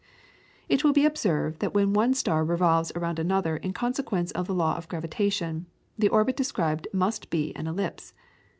It will be observed that when one star revolves around another in consequence of the law of gravitation, the orbit described must be an ellipse.